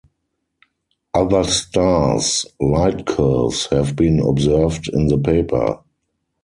Other stars light curves have been observed in the paper.